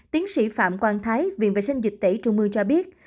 tiến sĩ phạm quang thái viện vệ sinh dịch tẩy trung mưu cho biết